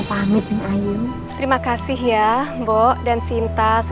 pasti pasti akan kami sampai kacau